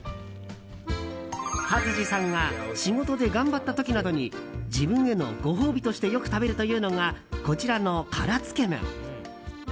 勝地さんが仕事で頑張った時などに自分へのご褒美としてよく食べるというのがこちらの辛つけめん。